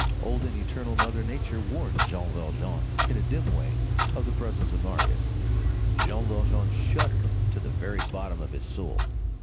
Old and eternal Mother Nature warned Jean Valjean in a dim way of the presence of Marius. Jean Valjean shuddered to the very bottom of his soul.